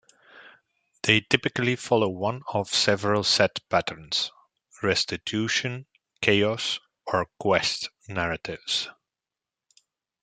They typically follow one of several set patterns: "restitution", "chaos", or "quest" narratives.